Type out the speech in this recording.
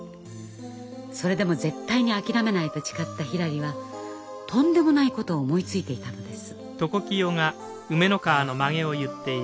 それでも絶対に諦めないと誓ったひらりはとんでもないことを思いついていたのです。